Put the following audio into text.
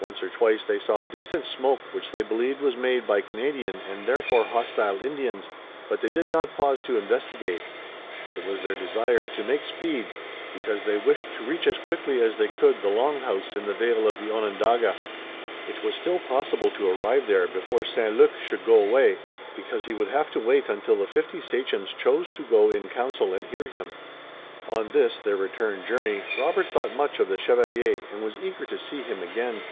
Once or twice they saw distant smoke which they believed was made by Canadian and therefore hostile Indians, but they did not pause to investigate. It was their desire to make speed, because they wished to reach as quickly as they could the Long House in the vale of the Onondaga. It was still possible to arrive there before St. Luc should go away, because he would have to wait until the fifty sachems chose to go in council and hear him. On this, their return journey, Robert thought much of the chevalier and was eager to see him again.